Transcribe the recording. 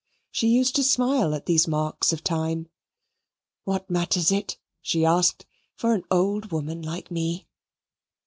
She used to smile at these marks of time. "What matters it," she asked, "For an old woman like me?"